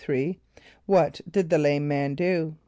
= What did the lame man do?